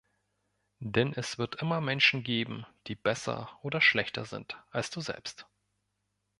Denn es wird immer Menschen geben, die besser oder schlechter sind, als du selbst.